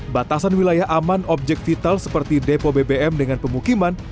batasan wilayah aman objek vital seperti depo bbm dengan pemukiman